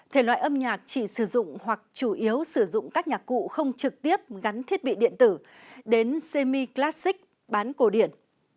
thể loại âm nhạc chỉ sử dụng hoặc chủ yếu sử dụng các nhạc cụ không trực tiếp gắn thiết bị điện tử đến semi classic bán cổ điển